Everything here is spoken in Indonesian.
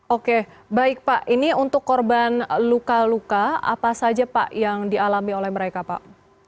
oke baik pak ini untuk korban luka luka apa saja pak yang dialami oleh mereka pak